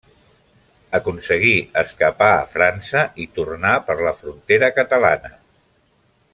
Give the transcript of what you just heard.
Aconseguí escapar a França i tornar per la frontera catalana.